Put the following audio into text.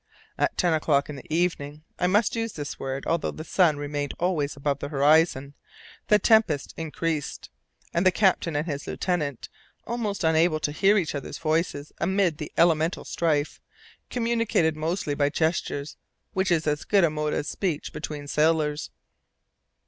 At ten o'clock in the evening I must use this word, although the sun remained always above the horizon the tempest increased, and the captain and his lieutenant, almost unable to hear each other's voices amid the elemental strife, communicated mostly by gestures, which is as good a mode as speech between sailors.